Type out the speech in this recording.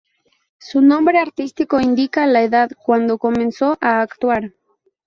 Su nombre artístico indica la edad cuando comenzó a actuar.